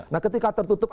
nah ketika tertutup